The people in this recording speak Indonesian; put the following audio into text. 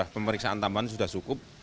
pemeriksaan tambahan sudah cukup